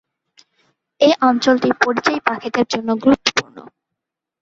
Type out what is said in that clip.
এই অঞ্চলটি পরিযায়ী পাখিদের জন্য গুরুত্বপূর্ণ।